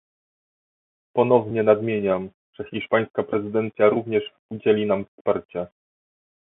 Ponownie nadmieniam, że hiszpańska prezydencja również udzieli nam wsparcia